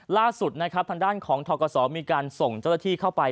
ล่าสุดนะครับทางด้านของทกศมีการส่งเจ้าหน้าที่เข้าไป